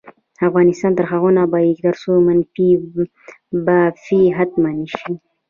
افغانستان تر هغو نه ابادیږي، ترڅو منفي بافي ختمه نشي.